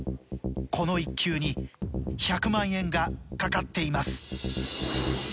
この一球に１００万円が懸かっています。